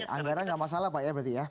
anggaran nggak masalah pak ya berarti ya